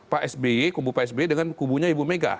pak sby kubu pak sby dengan kubunya ibu mega